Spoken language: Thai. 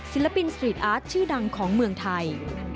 ศิลปินสตรีทอาร์ตชื่อดังของเมืองไทย